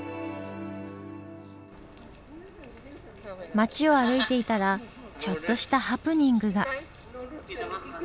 街を歩いていたらちょっとしたハプニングが。